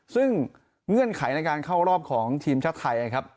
ซึ่งเงื่อนไขในการเข้ารอบของทีมชาติไทยนะครับ